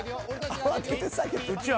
［慌てて下げてる］